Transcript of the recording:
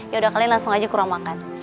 yaudah kalian langsung aja ke ruang makan